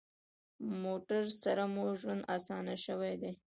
موټر سره مو ژوند اسانه شوی دی.